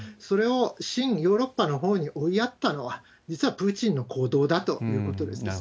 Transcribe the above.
それを親ヨーロッパのほうに追いやったのは、実はプーチンの行動だということです。